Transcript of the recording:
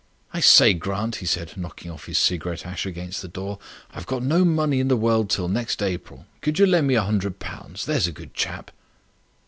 "I say, Grant," he said, knocking off his cigarette ash against the door, "I've got no money in the world till next April. Could you lend me a hundred pounds? There's a good chap."